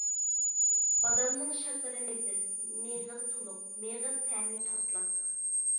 بادامنىڭ شاكىلى نېپىز، مېغىزى تولۇق، مېغىز تەمى تاتلىق.